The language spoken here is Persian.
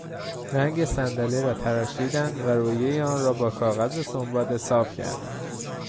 رنگ صندلی را تراشیدن و رویهی آن را با کاغذ سنباده صاف کردن